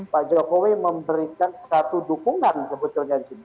pak jokowi memberikan satu dukungan sebetulnya di sini